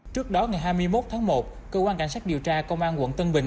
trước đó ngày hai mươi một tháng một cơ quan cảnh sát điều tra công an quận tân bình